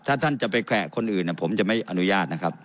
ถ้าท่านจะไปแขวะคนอื่นผมจะไม่อนุญาตนะครับ